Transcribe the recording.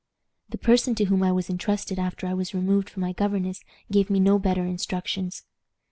"The person to whom I was intrusted after I was removed from my governess gave me no better instructions.